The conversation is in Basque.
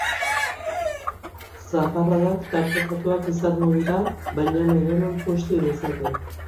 Zaparradak tartekatuak izango dira, baina edonon busti dezake.